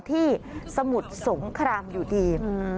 สมุทรสงครามอยู่ดี